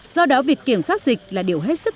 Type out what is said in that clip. do đó việc kiểm soát dịch là điều hết sức